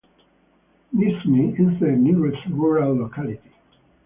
Nizhny is the nearest rural locality.